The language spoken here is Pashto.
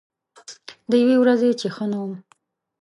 د یوې ورځې چې ښه نه وم